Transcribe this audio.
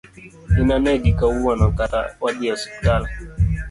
In anegi kawuono kata wadhi osiptal